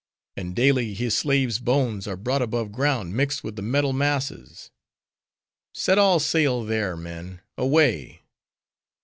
And daily his slaves' bones are brought above ground, mixed with the metal masses." "Set all sail there, men! away!"